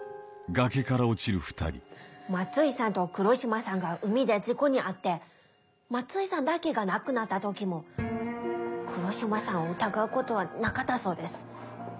松井さんと黒島さんが海で事故に遭って松井さんだけが亡くなった時も黒島さんを疑うことはなかったそうです。